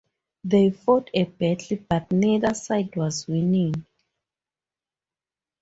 They fought a battle but neither side was winning.